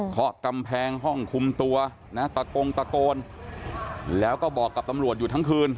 ขอกำแพงห้องคุมตัวนะตะโกงตะโกนแล้วก็บอกกับตำรวจอยู่ทั้งคืน